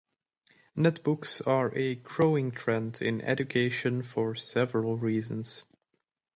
Netbooks are a growing trend in education for several reasons.